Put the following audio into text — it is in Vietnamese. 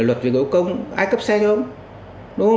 luật giao công ai cấp xe cho không